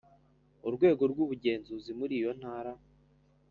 Urwego rw ubugenzuzi muriyo ntara